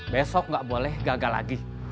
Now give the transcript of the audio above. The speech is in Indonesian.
besok nggak boleh gagal lagi